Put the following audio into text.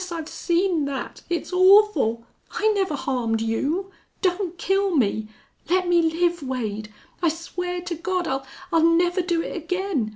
I've seen that. It's awful!... I never harmed you.... Don't kill me! Let me live, Wade. I swear to God I'll I'll never do it again....